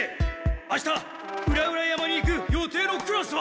あした裏々山に行く予定のクラスは？